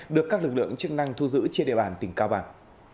được các lực lượng chức năng thu giữ trên địa bàn tỉnh cao bằng